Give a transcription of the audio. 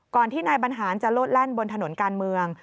ที่นายบรรหารจะโลดแล่นบนถนนการเมือง